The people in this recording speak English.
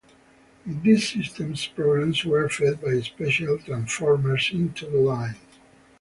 In these systems programs were fed by special transformers into the lines.